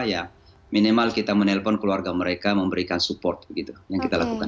ya minimal kita menelpon keluarga mereka memberikan support gitu yang kita lakukan